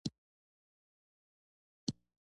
د زراعتي فعالیتونو کې د ښځو ونډه باید زیاته شي.